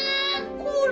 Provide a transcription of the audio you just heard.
これ。